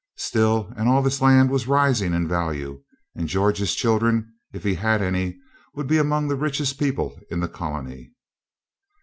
Still, and all this land was rising in value, and George's children, if he had any, would be among the richest people in the colony.